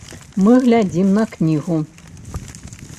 Мы глядзім на кнігу.